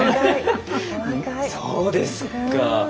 そうですか。